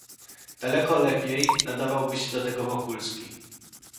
"Daleko lepiej nadawałby się do tego Wokulski."